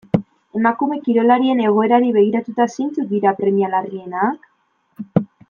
Emakume kirolarien egoerari begiratuta, zeintzuk dira premia larrienak?